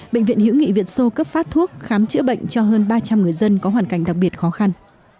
bệnh viện hữu nghị việt sô cấp phát thuốc khám chữa bệnh cho hơn ba trăm linh người dân có hoàn cảnh đặc biệt khó khăn